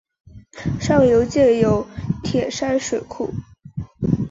上游建有铁山水库。